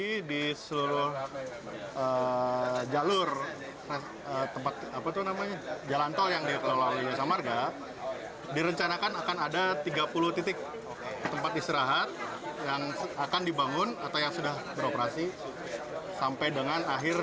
jadi di seluruh jalur tempat apa itu namanya jalan tol yang di pulau jasa marga direncanakan akan ada tiga puluh titik tempat istirahat yang akan dibangun atau yang sudah beroperasi sampai dengan akhir dua ribu sembilan belas